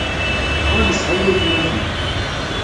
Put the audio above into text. Ur nesɛi aytmaten.